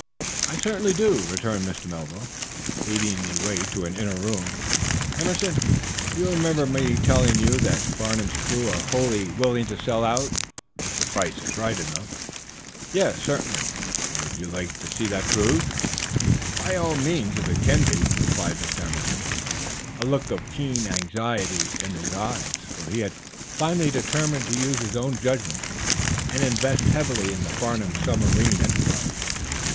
"I certainly do," returned Mr. Melville, leading the way to an inner room. "Emerson, you remember my telling you that Farnum's crew are wholly willing to sell out their people if the price is big enough?" "Yes, certainly." "Would you like to see that proved?" "By all means, if it can be," replied Mr. Emerson, a look of keen anxiety in his eyes, for he had finally determined to use his own judgment and invest heavily in the Farnum submarine enterprise.